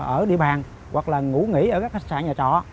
ở địa bàn hoặc là ngủ nghỉ ở các khách sạn nhà trọ